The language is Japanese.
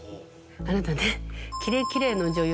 「あなたね」。